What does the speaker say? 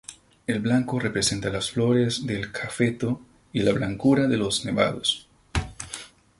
El blanco representa las flores del cafeto y la blancura de los nevados.